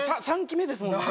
３期目ですもんね